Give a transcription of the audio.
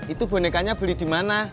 itu bonekanya beli dimana